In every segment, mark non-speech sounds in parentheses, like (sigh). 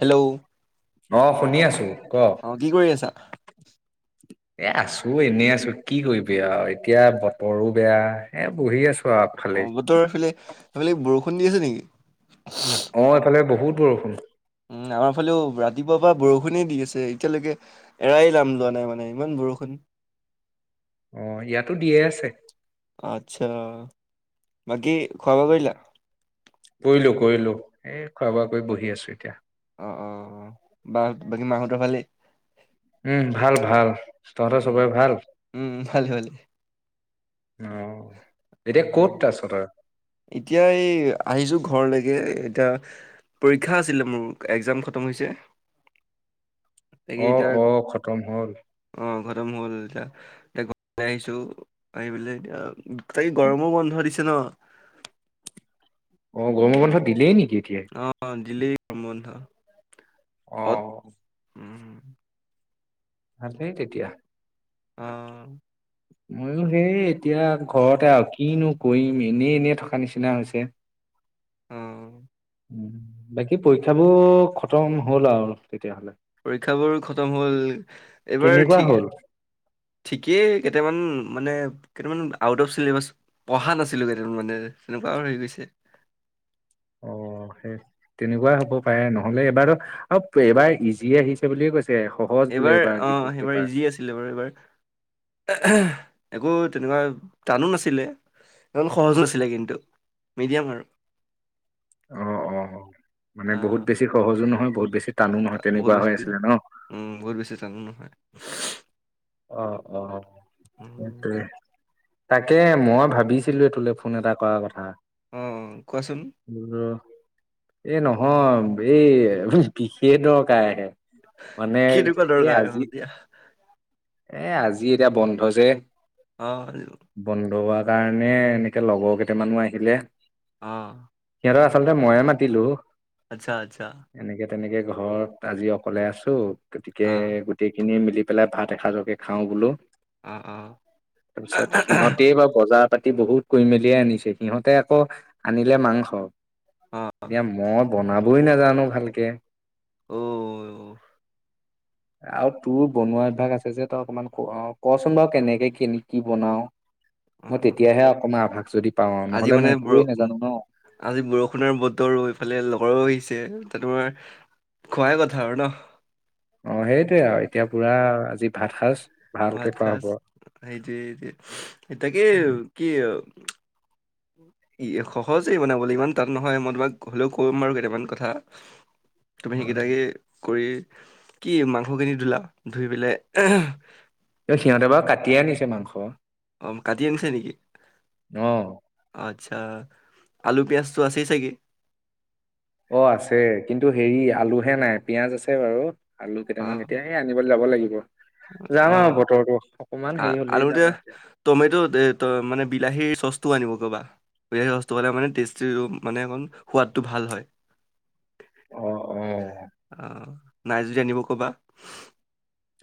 Hello, অ, শুনি আছো ক, অ কি কৰি আছা (inaudible) এই, আছো এনে, আছো কি কৰিবি আৰু এতিয়া বতৰো বেয়া, এই বহি আছো। আৰু আগফালে অ, বতৰ এইফালে, সেই ফালে বৰষুণ দি আছে নেকি? অ, এইফালে বহুত বৰষুণ। উম, আমাৰ ফালেও ৰাতিপুৱাৰ পৰা বৰষুণে দি আছে এতিয়ালৈকে। এৰাই নাম লোৱা নাই মানে, ইমান বৰষুণ। অ, ইয়াতো দিয়ে আছে। আচ্ছা, বাকি খোৱা-বোৱা কৰিলা। কৰিলো, কৰিলো, এই খোৱা-বোৱা কৰি বহি আছো এতিয়া। অ, অ, অ, বা বাকী মাহঁতৰ ভালেই? উম, ভাল ভাল তহঁত উম চবৰে ভাল? উম ভালে ভালে অ, অ এতিয়া ক'ত আছ তই? এতিয়া এই আহিছোঁ, ঘৰলৈকে এতিয়া পৰীক্ষা আছিলে মোৰ, এক্সাম খতম হৈছে। তাকে অ, এতিয়া অ, খতম হ'ল। অ, খতম হ'ল এতিয়া, এক (inaudible) ওলাই আহিছোঁ, আহি পেলাই এতিয়া তাকে গৰমৰ বন্ধ দিছে ন, অ, গৰম বন্ধৰ দিলেই নেকি এতিয়াই? অ, দিলেই গমৰ বন্ধ। অ, ভালেই তেতিয়া। অ, ময়ো সেই এতিয়া, ঘৰতে আৰু কিনো কৰিম এনেই, এনেই, থকা নিচিনা হৈছে। অ, বাকী পৰীক্ষাবোৰ খতম হ'ল আৰু তেতিয়া হ'লে। পৰীক্ষাবোৰ খতম হ'ল, এইবাৰ কেনেকুৱা ঠিকে- হ'ল? ঠিকেই কেইটামান মানে কেইটামান আউট অফ চিলেবাছ- পঢ়া নাছিলোঁ কেইদিন মানে তেনেকুৱা আৰু হৈ গৈছে। অঁ' সেই তেনেকুৱাই হ'ব পাৰে নহ'লে এবাৰটো আৰু এবাৰ ইজিয়ে আহিছে বুলিয়ে কৈছে। তে সহজ বোলে এইবাৰ যিবোৰ পেপাৰ। লে বাৰু এইবাৰ, একো তেনেকুৱা টানো নাছিলে। ইমান সহজ নাছিলে কিন্তু, মিডিয়াম আৰু। অ অ অ' মানে বহুত অ' বেছি সহজো নহয়, বহুত বেছি- টানো নহয় বহুত তেনেকুৱা হৈ বেছি, আছিলে ন? উম' বহুত বেছি টানো নহয়। অ' অ' উম, সেইটোৱে। তাকে মই ভাবিছিলোৱে টোলে ফোন এটা কৰা কথা। অঁ অঁ কোৱাচোন? এই নহয় এই বিশেষ দৰব- কাই আহে, মানে কেনেকুৱা এই দৰকাৰ হ'ল আজি- এতিয়া এ আজি এতিয়া বন্ধ যে। অঁ, হয়তো। বন্ধ হোৱা কাৰণে এনেকে লগৰ কেইটামানো আহিলে। অঁ। সিহঁতক আচলতে ময়ে মাতিলো। আৎচ্ছা আৎচ্ছা। এনেকে তেনেকে ঘৰত আজি অকলে আছো, গতিকে অ', গোটেই খিনি মিলি পেলাই ভাত- এসাঁজকে খাওঁ বোলো, অ', অ', তাপিছত সিহঁতিয়ে বা বজাৰ পাতি বহুত- কৰি মেলিয়ে আনিছে, সিহঁতে আকৌ আনিলে মাংস, অ', এতিয়া মই- বনাবই নাজানো ভালকে। অওও'। আৰু তোৰ বনোৱা অভ্যাগ আছ- ছে যে, তই অকমান ক অঁ কচোন বাৰু কেনেকে, কেনেকি বনাও? অ', মই অ', তেতিয়াহে অকমান আভাস যদি পাওঁ আও, আজি নহ'লে মানে মই বৰ একোৱে নাজানো ন। আজি বৰষুণৰ বতৰো, এইফালে লগৰো আহিছে ত' তোমাৰ- খোৱাই কথা আৰু ন। অঁ' সেইটোৱে আৰু এতিয়া পুৰা আজি ভাত সাজ- ভালকে ভাত খোৱা খাজ, হব সেইটো এতিয়া, এ তাকে কি আও? য়ে সহজেই বনাবলৈ ইমান টান নহয়, মই তোমাক হ'লেও ক'ম বাৰু কেইটামান কথা। (inaudible) তুমি সেইগিটাকে কৰি, কি মাংসখিনি ধূলা, ধুই পেলাই- এই সিহঁতে বাৰু কাটিয়ে আনিছে মাংস। অম' কাটি আনিছে নেকি? অঁ'। অঁ আৎচ্ছা, আলু, পিয়াঁজটো আছেই চাগে। অ' আছে, কিন্তু হেৰি আলুহে নাই পিয়াঁজ আছে বাৰু। আলু কেইটামান অ', এতিয়া সে আনিবলে যাব লাগিব। যাম আৰু অ', বতৰতো অকমান হেৰি হ'লেই যাম আৰু এতিয়া। টমেটো টে তই মানে বিলাহীৰ চ'চটো আনিব ক'বা। বিলাহী চ'চটো মানে মানে টেষ্টি মানে অকণ সোৱাদটো ভাল হয়। অ অ অ', নাই যদি আনিব ক'বা।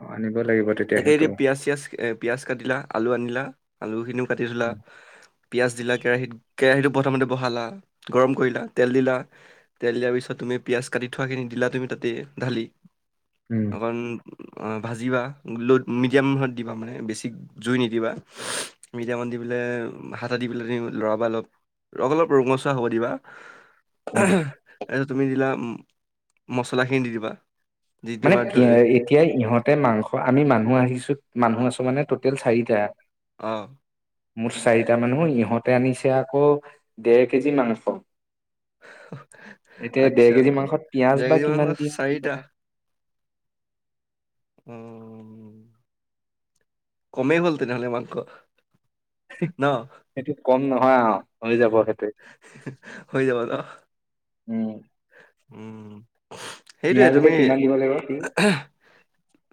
অ', আনিব লাগিব। তেতিয়া তাকে সেইটো এতিয়া পিঁয়াজ চিয়য়াজ পিঁয়াজ কাটিলা আলু আনিলা, আলুখিনিও কাটি ঠলা। পিঁয়াজ দিলা কেৰাহিত, কেৰাহীটো প্ৰথমতে বহালা গৰম কৰিলা তেল দিলা। তেল দিয়াৰ পিছত তুমি পিঁয়াজ কাটি থোৱাখিনি দিলা তুমি তাতে ঢালি। উম অকণ‌ ভাজিবা ল'ড মিডিয়ামত দিবা মানে বেছি জুই নিদিবা মিডিয়ামান দি পেলাই হেটা দি পিলানি লৰাবা অলপ অলপ ৰঙচুৱা হ'ব দিবা। উম তাৰপিছত তুমি দিলা, মচলাখিনি দি দিবা। যি মানে তোমাৰ ধ- এতিয়া ইহঁতে মাংস আমি মানুহ আহিছো মানুহ আছো মানে ট'টেল চাৰিটা। অ'। মুঠ চাৰিটা মানুহ ইহঁতে আনিছে আকৌ দেৰ কেজি মাংস। এতিয়া দেৰ আচ্ছা কেজি মাংসত পিয়াজ বা জেগাগী কিমান মাংস দিম কি চাৰিটা কথা? অ'। কমেই হ'ল তেনেহ'লে মাংস ন? সেইটো কম নহয় আৰু হৈ যাব সেইটোয়েই। হৈ যাব ন! উম। উম, সেইটোৱে পিয়াজ এতিয়া তুমি কিমান দিব লাগিব কি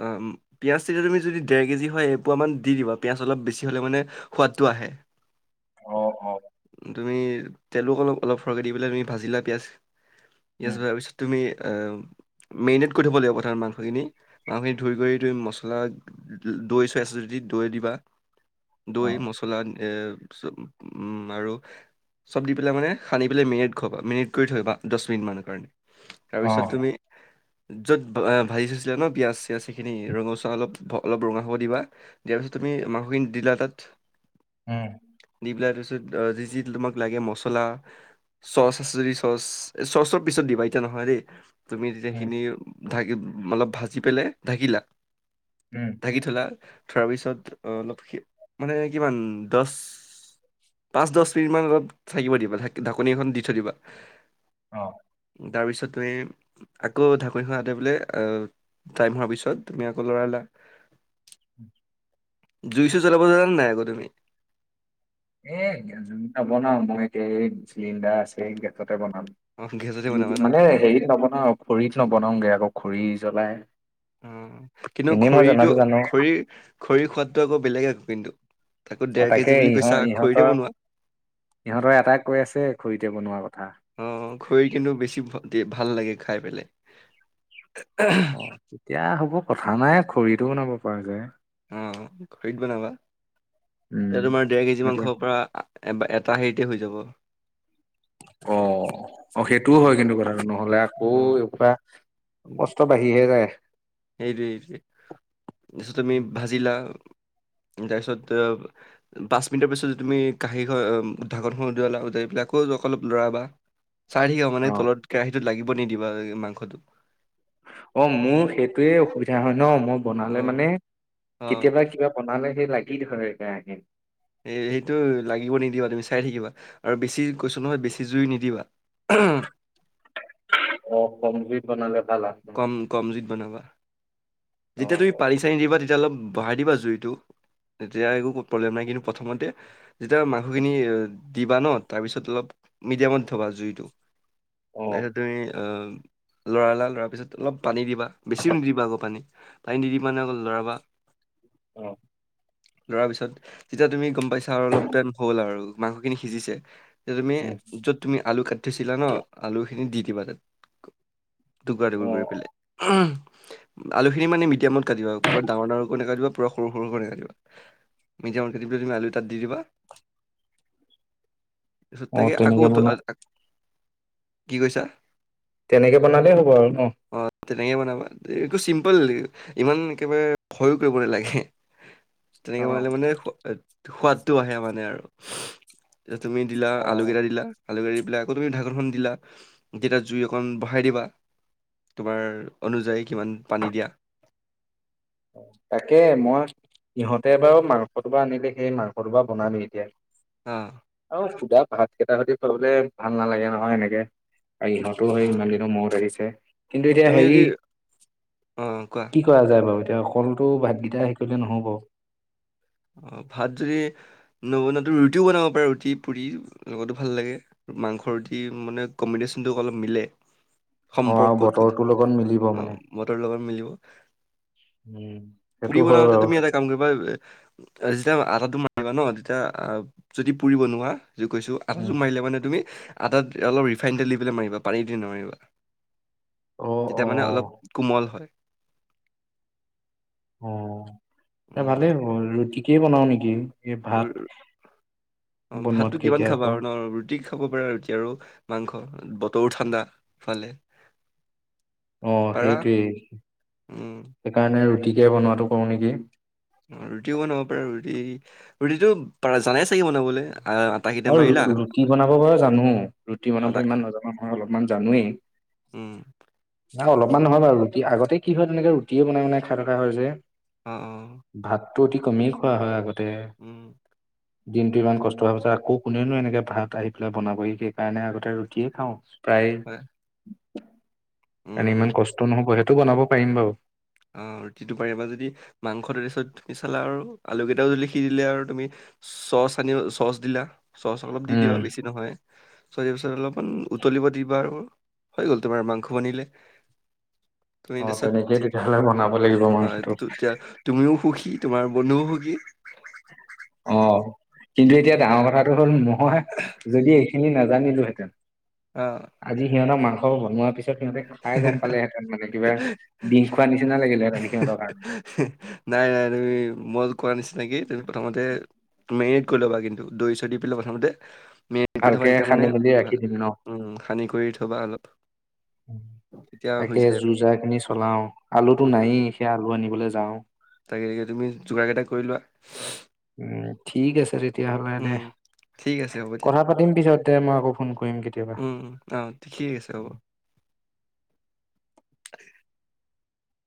উম, পিঁয়াজ তেতিয়া তুমি যদি ডেৰ কেজি হয় এপোৱামান দি দিবা পিঁয়াজ অলপ বেছি হ'লে মানে সোৱাদটো আহে। অ', অ'। তুমি তেলো অলপ অলপ সৰহকৈ দি পেলাই ভাজিলা পিয়াজ। পিয়াজ উম ভজা পিছত তুমি অ' মেৰিনেট কৰি থ'ব লাগিব প্ৰথমত মাংসখিনি মাংসখিনি ধুই গৈ ধুই মছলা দৈ চৈ আছে যদি দৈ দিবা, অ দৈ মছলা এ আৰু চব দি পেলাই মানে সানি পেলাই মেৰিনেট কৰিবা মেৰিনেট কৰি থ'বা। দহ মিনিট মানৰ কাৰণে। অ তাৰপিছত তুমি য'ত ভাজি থৈছিলা ন পিয়াজ চিয়াঁজখিনি ৰঙচুৱা অলপ অলপ ৰঙা হ'ব দিবা। দিয়াৰ পিছত তুমি মাংসখিনি দিলা তাত। উম। দি পেলাই তাৰপিছত যি যি তোমাক লাগে মছলা চচ আছে যদি চচ। চচটো পিছত দিবা এতিয়া নহয় দেই তুমি তেতিয়া উম সেইখিনি ঢাকি অলপ ভাজি পেলাই ঢাকিলা। উম। ঢাকি থ'লা, থোৱাৰ পিছত অলপ মানে কিমান দহ পাঁচ দহ মিনিটমান অলপ থাকিব দিবা ঢা-ঢাকনি এখন দি থৈ দিবা। অ'। তাৰপিছত তুমি আকৌ ঢাকনিখন আটৰাই‌ পেলাই টাইম হোৱাৰ পিছত তুমি আকৌ লৰালা। জুই চুই জ্বলাব জানানে আকৌ তুমি? এ নবনাও মই এতিয়া, এই‌ চিলিণ্ডাৰ আছে গেছতে বনাম। অ গেছতে বনাবা জুই ন? মানে হেৰিত নবনাওঁ খৰিত নবনাওঁগে আকৌ খৰি জ্বলাই। উম, কিন্তু এনেই মই খৰিটো জনাতো জানো খৰিৰ খৰিৰ সোৱাদটো আকৌ বেলেগ আকৌ কিন্তু। আকৌ অ ডেৰ তাকে কেজি বুলি ইহঁত কৈছা খৰিতে ইহঁতৰ বনোৱা। ইহঁতৰ এটাই কৈ আছে খৰিতে বনোৱাৰ কথা। অ, খৰিৰ কিন্তু বেছি ভাল লাগে, খাই পেলাই। এতিয়া হ'ব কথা নাই খৰিটো বনাব পৰা যায়। অ, খৰিত বনাবা, উম এতিয়া তোমাৰ ডেৰ কেজি সেইটোৱে মাংসৰ পৰা এবাৰ এটা হেৰিতে হৈ যাব। অ, অ, সেইটোও উম, হয় কিন্তু কথাটো নহলে আকৌ অ', ইয়াৰ পৰা কষ্ট ত বাঢ়ি হে যায়। সেইটোৱে, সেইটোৱে তাৰপিছত তুমি ভাজিলা তাৰপিছত পাঁচ মিনিটৰ পিছত যদি তুমি কাঁহী, ঢাকনখন উদুঙালা, উদুঙাই পেলাই আকৌ অলপ লৰাবা। চাই থাকিবা মানে অ তলত কেৰাহিটোত লাগিব নিদিবা মাংসটো। অ, মোৰ সেইটোয়ে অসুবিধা হয় ন মই বনালে মানে অ', অ', কেতিয়াবা কিবা বনালে সেই লাগি ধৰে কেৰাহীত। এই সেইটো লাগিব নিদিবা। তুমি চাই থাকিবা আৰু বেছি কৈছো নহয় বেছি জুই নিদিবা। (unintelligible) অ, কমজুইত বনালে ভাল (inaudible) কম, কম জুইত বনাবা। অ যেতিয়া তুমি পানী, চানী দিবা তেতিয়া অলপ বঢ়াই দিবা জুইটো। তেতিয়া একো প্ৰব্লেম নাই কিন্তু প্ৰথমতে যেতিয়া মাংসখিনি দিবা ন তাৰপিছত অলপ মিডিয়ামত থবা জুইটো। অ তাৰপিছত তুমি লৰালা, লৰাৰ পিছত অলপ পানী দিবা। বেছি নিদিবা আকৌ পানী। পাই নিদিবা অকল লৰাবা। অ,। লৰাৰ পিছত যেতিয়া তুমি গম পাইছা আৰু অলপ টাইম হ'ল আৰু মাংসখিনি সিজিছে। তেতিয়া তুমি উম য'ত তুমি আলু কাটি থৈছিলা ন আলুখিনি দি দিবা তাত। টুকুৰা, অ টুকুৰি কৰি পেলাই। আলুখিনি মানে মিডিয়ামত কাটিবা। পুৰা ডাঙৰ, ডাঙৰকৈ নাকাতিবা। পুৰা সৰু, সৰু কৰি নাকাটিবা। মিডিয়ামত কাটি পেলাই তুমি আলু তাত দি দিবা। (unintelligible) তাৰ পিছত অ তাতে আকৌ তেনেকে ত বনা আক কি কৈছা? তেনেকে বনালেই হ'ব আৰু ন? অ, তেনেকে বনাবা। এইটো চিম্পল ইমান একেবাৰে ভয়ো কৰিব নালাগে। অ তেনেকে বনালে মানে সোৱাদটো আহে মানে আৰু। তে' তুমি দিলা অ আলুকেইটা দিলা। আলু কাটি দি পেলাই আকৌ তুমি ঢাকোনখন দিলা যেতিয়া জুই অকণ বঢ়াই দিবা। তোমাৰ অনুযায়ী কিমান পানী দিয়া। তাকে, মই ইহঁতে বাৰু মাংস টোপোলা আনিলে। সেই মাংস টোপোলা বনালো এতিয়া। অ,। আৰু সোদা ভাত কেইটা হতে খুৱাবলে ভাল নালাগে নহয় এনেকে ইহত তোৰ অ হেৰি ইমান দিনৰ মূৰত আহিছে। কিন্তু এতিয়া তুমি হেৰি যদি অ কোৱা কি কৰা যায় বাৰু? তে অকলটো ভাতকেইটা সেই কৰিলে নহ'ব। অ, ভাত যদি নবনাতো ৰুটিও বনাব পাৰা ৰুটি, পুৰি লগতো ভাল লাগে। মাংস, ৰুটি মানে কম্বিনেশ্যনটো অলপ মিলে। অ' আৰু সম্পৰ্কটো বতৰটোৰ লগত মিলিব অ, মানে। মদৰ লগত মিলিব। উম পুৰি সেইটো হয় বনাওঁতে বাৰু তুমি এটা কাম সেইকাৰণে যেতিয়া আটাটো মাৰিবা ন তেতিয়া যদি পুৰি বনোৱা যদি কৈছোঁ আটাটো উম মাৰিলে মানে তুমি আটাত অলপ ৰিফাইন তেল দি পেলাই মাৰিবা পানী দি নামাৰিবা অ' তেতিয়া মানে অলপ অ' কোমল হয় অ' এ ভালেই উম হ'ব ৰুটিকেই বনাও নেকি এ ভাত ৰু- অ ভাতটো বনোৱাতকে কিমান এতিয়া খাবা আকৌ আৰু ন ৰুটি খাব পাৰা ৰুটি আৰু মাংস বতৰো ঠাণ্ডা ইফালে অ' পাৰা সেইটোৱেই উম সেইকাৰণে ৰুটিকে বনোৱাতো কৰোঁ নেকি অ ৰুটিও বনাব পাৰা ৰুটি ৰুটিটো পাৰা জানাই চাগে বনাবলৈ আ আ অ ৰুটি বনাব বাৰু জানো, ৰুটি বনাব আটা ইমান নাজানা নহয় অলপমান জানোৱেই। উম নাই অলপমান নহয় বাৰু ৰুটি আগতে কি হয় তেনেকে ৰুটিয়ে বনায় বনায় খাই থকা হয় যে। অ' অ' ভাতটো অতি কমেই খোৱা হয় আগতে। উম দিনটো ইমান কষ্ট হোৱাৰ পিছত আক কৌ কোনেনো এনেকে ভাত আহি পেলাই বনাবহি সেইকাৰণে আগতে ৰুটিয়ে খাওঁ প্ৰায়েই। হয় উম এনে উম ইমান কষ্ট নহ'ব সেইটো বনাব পাৰিম বাৰু। অ' ৰুটিটো পাৰিবা যদি মাংসটো তাৰপিছত পিছলৈ আৰু আলুকেইটাও যদি সিজিলে আৰু তুমি চচ আনিও চচ দিলা চচ অলপ দি দিবা উম বেছি নহয় চচ দিয়াৰ পিছত অলপমান উতলিব দিবা আৰু। হৈ গ'ল তোমাৰ মাংস বনিলে তুমি অ তেনেকেই তাৰপিছত তেতিয়াহ'লে বনাব লাগিব হয় মাংসটো। তেতিয়া তুমিও সুখী তোমাৰ বন্ধুও সুখী। অ' কিন্তু এতিয়া উম, ডাঙৰ কথাটো হ'ল মই যদি এইখিনি নাজানিলোহেঁতেন অ' আজি সিহঁতৰ মাংস বনোৱাৰ পিছত পিছত সিহঁতে খাই গম পালেহেঁতেন মানে কিবা বিহ খোৱা নিচনা লাগিলে সিহঁতৰ কাৰণে নাই নাই তুমি মই কোৱা নিচিনাকে তুমি প্ৰথমতে মেৰিনেট কৰি ল'বা কিন্তু দৈ চৈ দি পেলাই প্ৰথমতে মেৰি নেট কৰি ভালকে থ'বা সানি তেতিয়ামানে মেলি ৰাখি ভাল দিম ন উম সানি কৰি থ'বা অলপ তেতিয়া হৈ তাকে যায় যো-জা খিনি চলাও আলুতো অ নাইয়ে সেইয়া আলু আনিবলৈ যাওঁ। তাকে এতিয়া তুমি যোগাৰ কেইটা কৰি লোৱা। উম, ঠিক আছে তেতিয়াহ'লে দে। উম, ঠিক আছে হ'ব দিয়া, কথা পাতিম পিছত তে মই আকৌ ফোন কৰিম কেতিয়াবা। উম অ' ঠিকেই আছে উম। হ'ব। (inaudible)